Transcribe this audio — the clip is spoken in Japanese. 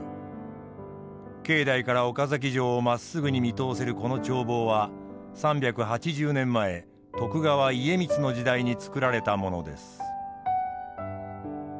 境内から岡崎城をまっすぐに見通せるこの眺望は３８０年前徳川家光の時代につくられたものです。